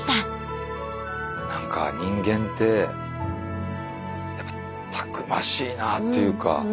何か人間ってやっぱたくましいなっていうか。